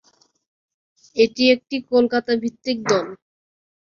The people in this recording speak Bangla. এটি একটি কলকাতা-ভিত্তিক দল।